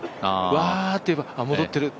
ワーと言えば戻ってる。